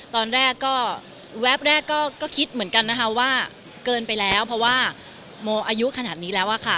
ตอนแรกก็แวบแรกก็คิดเหมือนกันนะคะว่าเกินไปแล้วเพราะว่าโมอายุขนาดนี้แล้วอะค่ะ